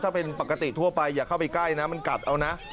ถ้าเป็นปกติทั่วไปอย่าเข้าไปใกล้นะมันกัดเอานะ